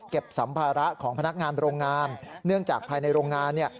สัมภาระของพนักงานโรงงานเนื่องจากภายในโรงงานเนี่ย